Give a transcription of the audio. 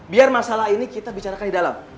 biar masalah ini kita bicarakan di dalam